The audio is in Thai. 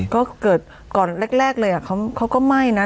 ก็เกิดก่อนแรกเลยเขาก็ไหม้นะ